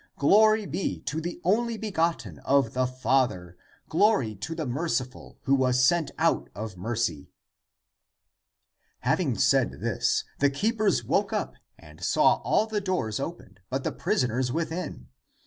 Glory be to the only begotten of the Father; glory to the Merci ful, who was sent out of mercy!" Having said this, the keepers woke up and saw all the doors opened, but the prisoners within.